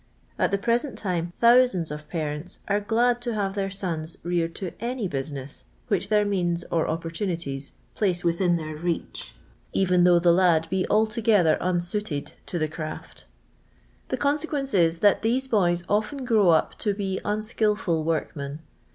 At the present time thousands of parents are glad to have their sons reared to an^ business which their means or opportunities place within their reach, even though the hid be altogether un suited to the craft. The consequence is, that those boys often grow up to be unskilful workmen.